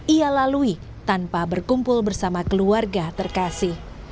ia lalui tanpa berkumpul bersama keluarga terkasih